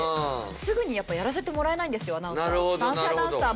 すぐにやっぱやらせてもらえないんですよアナウンサー。